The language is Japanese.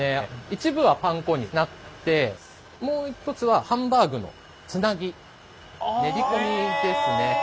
一部はパン粉になってもう一つはハンバーグのつなぎ練り込みですね。